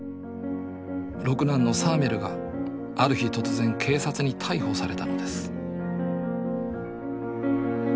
六男のサーメルがある日突然警察に逮捕されたのです